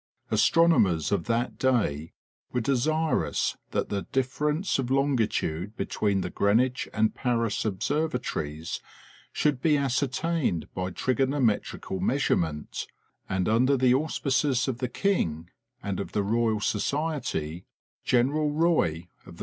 Astronomers of that day were desirous that the difference of longitude between the Greenwich and Paris observatories should be ascertained by trigonometrical measurement ; and under the auspices of the king and of the Royal Society, General Roy, R.